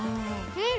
うん！